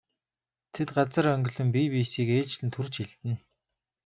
Тэд газар онгилон бие биесийг ээлжлэн түрж элдэнэ.